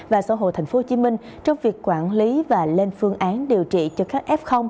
và sở hồ tp hcm trong việc quản lý và lên phương án điều trị cho các f